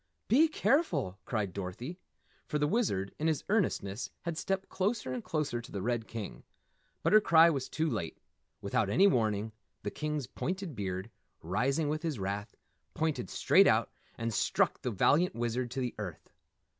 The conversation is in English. "Be careful!" cried Dorothy. For the Wizard, in his earnestness, had stepped closer and closer to the red King. But her cry was too late. Without any warning, the King's pointed beard, rising with his wrath, pointed straight out and struck the valiant Wizard to the earth.